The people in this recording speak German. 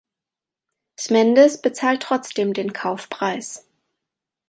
Smendes bezahlt trotzdem den Kaufpreis.